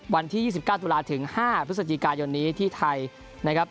วันที่๒๙ตุลาถึง๕พฤศจิกายนนี้ที่ไทยนะครับ